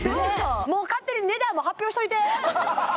もう勝手に値段も発表しといて！